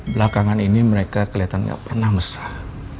belakangan ini mereka kelihatan nggak pernah mesah